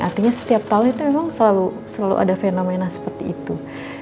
artinya setiap tahun itu memang selalu ada fenomena seperti itu